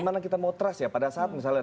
dimana kita mau trust ya pada saat misalnya